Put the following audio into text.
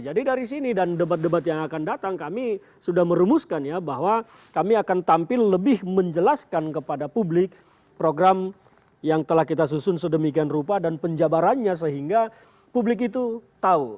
jadi dari sini dan debat debat yang akan datang kami sudah merumuskan ya bahwa kami akan tampil lebih menjelaskan kepada publik program yang telah kita susun sedemikian rupa dan penjabarannya sehingga publik itu tahu